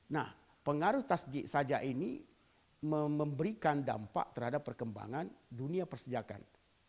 nah pengaruh tasjid saja ini memberikan dampak terhadap perkembangan dunia persejakan